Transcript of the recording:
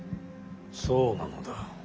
そうなのだ。